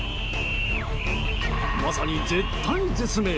まさに絶体絶命。